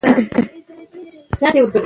هغه به د تېر مهال له دردونو نه ځوریږي.